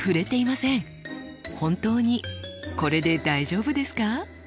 本当にこれで大丈夫ですか？